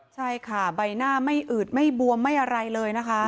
ใช่ค่ะใบหน้าไม่อืดไม่บวมไม่อะไรเลยนะคะ